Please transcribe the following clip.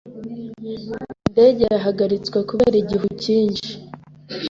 Indege yahagaritswe kubera igihu cyinshi.